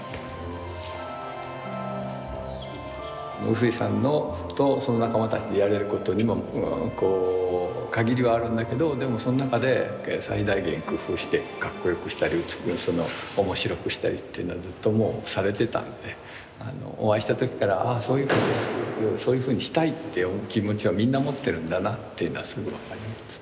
臼井さんとその仲間たちでやれることにも限りはあるんだけどでもその中で最大限工夫してかっこよくしたり面白くしたりっていうのはずっともうされてたのでお会いした時からそういうふうにしたいっていう気持ちはみんな持ってるんだなっていうのはすぐ分かります。